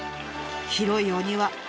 広いお庭。